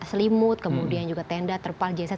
selimut kemudian juga tenda terpal jasad